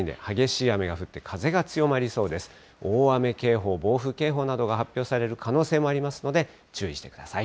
大雨警報、暴風警報などが発表される可能性もありますので、注意してください。